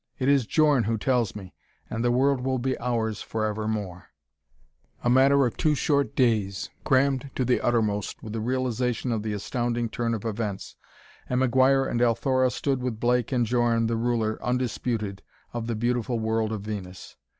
it is Djorn who tells me and the world will be ours forevermore." A matter of two short days, crammed to the uttermost with the realization of the astounding turn of events and McGuire and Althora stood with Blake and Djorn, the ruler, undisputed, of the beautiful world of Venus.